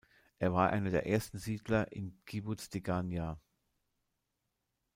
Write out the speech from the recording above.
Er war einer der ersten Siedler im Kibbuz Degania.